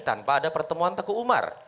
tanpa ada pertemuan teguh umar